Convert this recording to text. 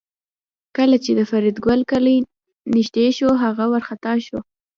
کله چې د فریدګل کلی نږدې شو هغه وارخطا و